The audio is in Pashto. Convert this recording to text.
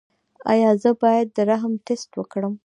ایا زه باید د رحم ټسټ وکړم؟